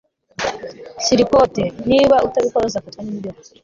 Shyira ikote Niba utabikora uzafatwa nimbeho